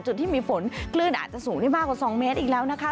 จุดที่มีฝนคลื่นอาจจะสูงได้มากกว่า๒เมตรอีกแล้วนะคะ